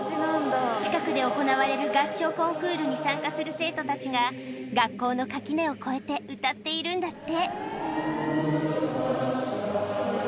近くで行われる合唱コンクールに参加する生徒たちが、学校の垣根を越えて歌っているんだって。